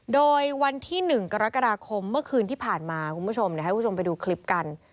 โดยวันที่๑กรกฎาคมเมื่อคืนที่ผ่านมาคุณผู้ชมเดี๋ยวให้คุณผู้ชมไปดูคลิปกัน